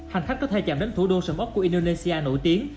hành khách có thể chạm đến thủ đô sầm ốc của indonesia nổi tiếng